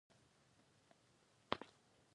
محمد هوتک په پټه خزانه کې لیکلي.